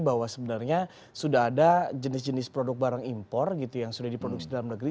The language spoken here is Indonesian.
bahwa sebenarnya sudah ada jenis jenis produk barang impor gitu yang sudah diproduksi dalam negeri